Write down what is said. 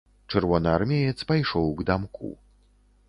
Чырвонаармеец пайшоў к дамку.